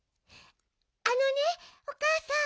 あのねおかあさん。